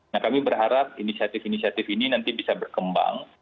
nah kami berharap inisiatif inisiatif ini nanti bisa berkembang